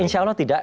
insya allah tidak